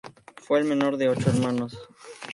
Fue el menor de ocho hermanos.